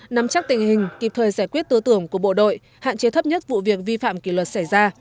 nắm chắc tình hình kịp thời giải quyết tứ tưởng của bộ đội hạn chế thấp nhất vụ việc vi phạm kỷ luật xảy ra